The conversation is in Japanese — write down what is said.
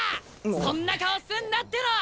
そんな顔すんなっての！